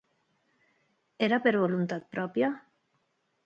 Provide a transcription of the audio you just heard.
Era per voluntat pròpia?